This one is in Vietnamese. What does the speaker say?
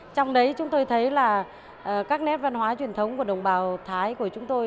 trong đấy chúng tôi thấy là các nét văn hóa truyền thống của đồng bào thái của chúng tôi